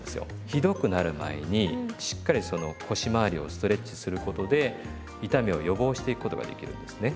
ひどくなる前にしっかりその腰まわりをストレッチすることで痛みを予防していくことができるんですね。